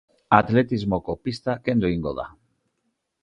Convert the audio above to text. Atletismoko pista kendu egingo da.